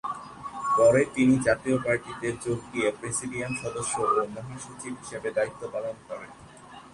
পরে তিনি জাতীয় পার্টিতে যোগ দিয়ে প্রেসিডিয়াম সদস্য ও মহাসচিব হিসেবে দায়িত্ব পালন করেন।